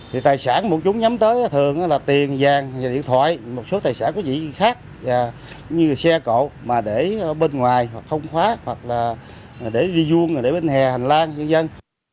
thì tài sản một chúng nhắm tới thường là tiền vàng điện thoại một số tài sản có gì khác như xe cộ mà để bên ngoài hoặc không khóa hoặc là để đi vuông để bên hè hành lan cho dân